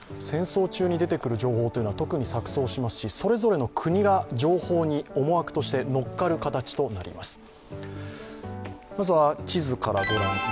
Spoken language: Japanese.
戦争中に出てくる情報というのは特に錯綜しますし、それぞれの国が情報に思惑として乗っかる形となります。